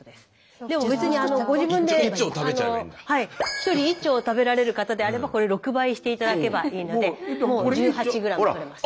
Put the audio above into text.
１人１丁食べられる方であればこれ６倍して頂けばいいのでもう１８ｇとれます。